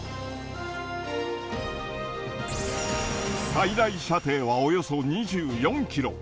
最大射程はおよそ２４キロ。